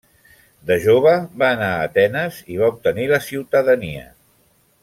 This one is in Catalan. De jove va anar a Atenes i va obtenir la ciutadania.